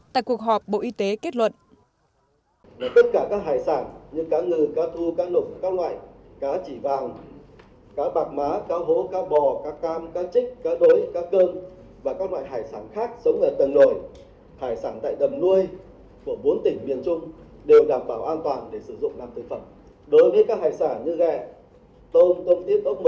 tại cuộc họp bộ y tế kết luận